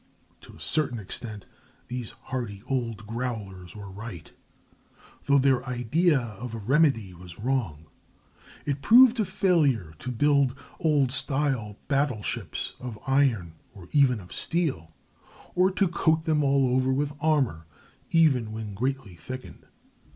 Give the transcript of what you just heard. To a certain extent these hardy old growlers were right, though their idea of a remedy was wrong. It proved a failure to build old style battle ships of iron or even of steel, or to coat them all over with armor, even when greatly thickened.